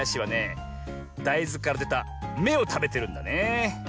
だいずからでた「め」をたべてるんだねえ。